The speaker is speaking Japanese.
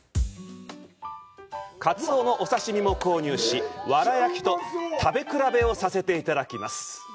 カツオのお刺身も購入し、藁焼きと食べ比べさせていただきます。